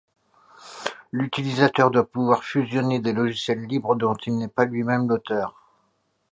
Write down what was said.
L'utilisateur doit pouvoir fusionner des logiciels libres dont il n'est pas lui-même l'auteur.